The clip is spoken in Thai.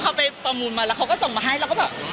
เขาไปประมูลมาแล้วเขาก็ส่งมาให้เราก็แบบ